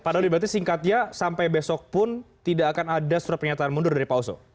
padahal berarti singkatnya sampai besok pun tidak akan ada surat pernyataan mundur dari pak oso